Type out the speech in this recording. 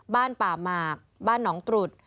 บ้านป่าหมากบ้านหนองตรุษ